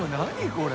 これ。